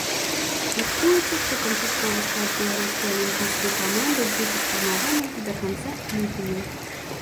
Мяркуецца, што канчатковы склад беларускай алімпійскай каманды будзе сфармаваны да канца ліпеня.